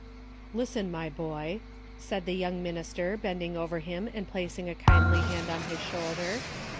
" Listen, my boy," said the young minister bending over him and placing a kindly hand on his shoulder.